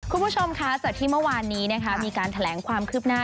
คุณผู้ชมคะจากที่เมื่อวานนี้นะคะมีการแถลงความคืบหน้า